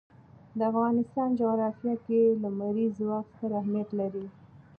د افغانستان جغرافیه کې لمریز ځواک ستر اهمیت لري.